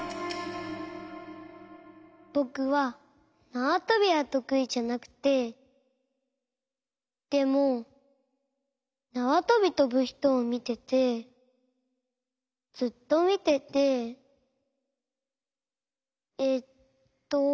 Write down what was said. ぼくはなわとびはとくいじゃなくてでもなわとびとぶひとをみててずっとみててえっと。